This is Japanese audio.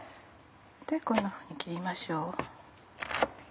こんなふうに切りましょう。